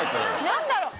何だろう。